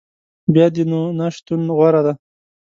بیا دي نو نه شتون غوره دی